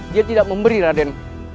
dia tidak memberi raden